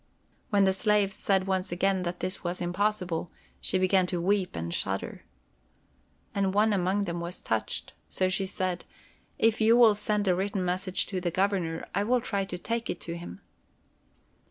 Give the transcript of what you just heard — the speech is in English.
When the slaves said once again that this was impossible, she began to weep and shudder. And one among them was touched, so she said: "If you will send a written message to the Governor, I will try and take it to him."